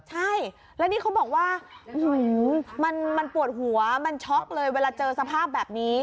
ใช่แล้วนี่เขาบอกว่ามันปวดหัวมันช็อกเลยเวลาเจอสภาพแบบนี้